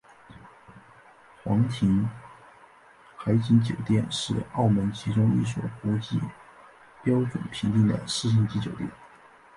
皇庭海景酒店是澳门其中一所国际标准评定的四星级酒店。